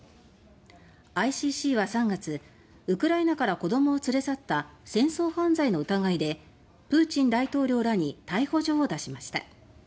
ＩＣＣは３月ウクライナから子どもを連れ去った戦争犯罪の疑いでプーチン大統領らに逮捕状を出しました。